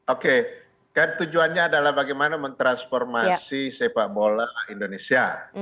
oke kan tujuannya adalah bagaimana mentransformasi sepak bola indonesia